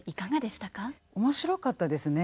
面白かったですね。